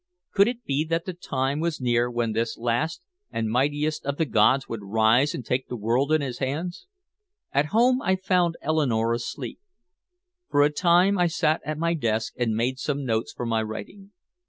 Could it be that the time was near when this last and mightiest of the gods would rise and take the world in his hands? At home I found Eleanore asleep. For a time I sat at my desk and made some notes for my writing.